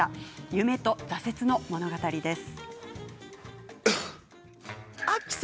夢と挫折の物語です。